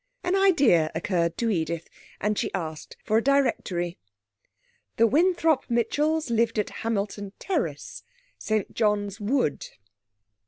An idea occurred to Edith, and she asked for a directory. The Winthrop Mitchells lived at Hamilton Terrace, St John's Wood.